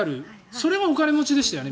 それがお金持ちでしたよね。